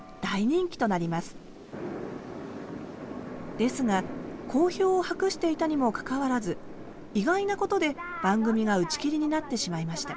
ですが好評を博していたにもかかわらず意外なことで番組が打ち切りになってしまいました。